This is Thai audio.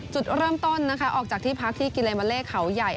จุดเริ่มต้นนะคะออกจากที่พักที่กิเลมะเล่เขาใหญ่